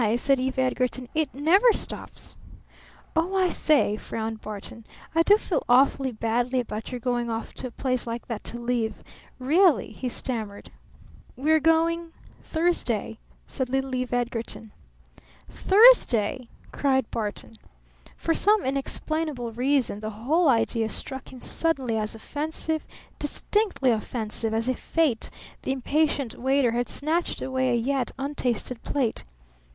said Eve Edgarton. "It never stops!" "Oh, I say," frowned Barton, "I do feel awfully badly about your going away off to a place like that to live! Really!" he stammered. "We're going Thursday," said little Eve Edgarton. "THURSDAY?" cried Barton. For some inexplainable reason the whole idea struck him suddenly as offensive, distinctly offensive, as if Fate, the impatient waiter, had snatched away a yet untasted plate.